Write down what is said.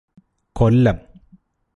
കൊല്ലം